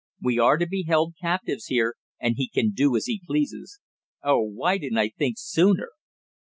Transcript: We are to be held captives here, and he can do as he pleases. Oh, why didn't I think sooner."